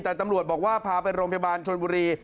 แต่ตำรวจบอกว่าพาไปโรงพยาบาลชนบุรี